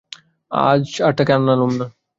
আজ আর তাকে আনলুম না।